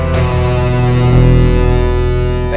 ini ada yang salah